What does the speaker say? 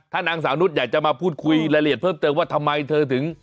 นางสาวนุษย์อยากจะมาพูดคุยรายละเอียดเพิ่มเติมว่าทำไมเธอถึง